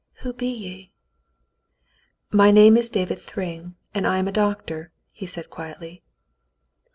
"Who be ye ?'* "My name is David Thryng, and I am a doctor," he said quietly.